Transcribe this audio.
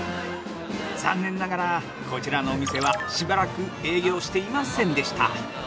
◆残念ながら、こちらのお店はしばらく営業していませんでした。